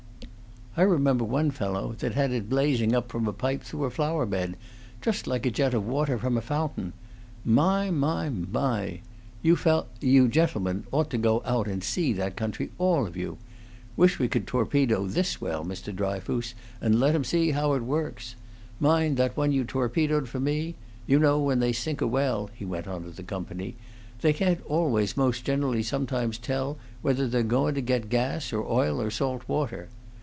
I remember one fellow that had it blazing up from a pipe through a flower bed, just like a jet of water from a fountain. My, my, my! You fel you gentlemen ought to go out and see that country, all of you. Wish we could torpedo this well, Mr. Dryfoos, and let 'em see how it works! Mind that one you torpedoed for me? You know, when they sink a well," he went on to the company, "they can't always most generally sometimes tell whether they're goin' to get gas or oil or salt water.